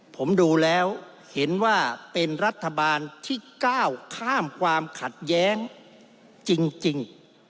ผมดูแล้วเห็นว่าเป็นรัฐบาลที่ก้าวข้ามความขัดแย้งจริง